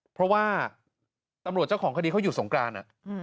เพราะว่าตำรวจเจ้าของคดีเขาหยุดสงกราน